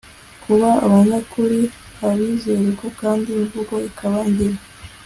kuba abanyakuri, abizerwa kandi imvugo ikaba ingiro